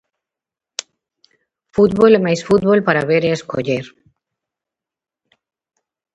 Fútbol e máis fútbol para ver e escoller.